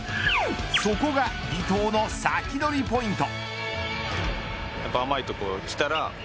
そこが伊藤の先取りポイント。